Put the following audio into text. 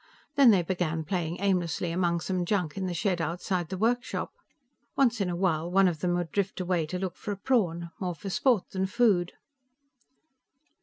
Then they began playing aimlessly among some junk in the shed outside the workshop. Once in a while one of them would drift away to look for a prawn, more for sport than food.